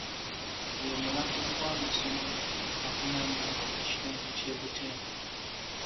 Yemulambuzi w'amasomero mu avunaanyizibwa ku kitundu ky'e Butembe